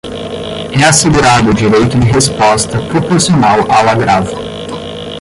é assegurado o direito de resposta, proporcional ao agravo